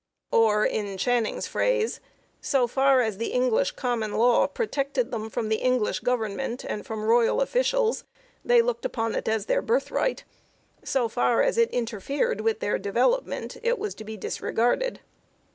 1 Or, in Channing's phrase: "So far as [the English Common Law] protected them from the Eng lish government and from royal officials they looked upon it as their birthright ; so far as it interfered with their development it was to be disregarded